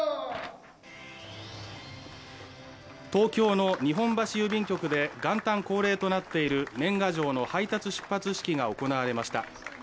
東京の日本橋郵便局で元旦恒例となっている年賀状の配達出発式が行われました。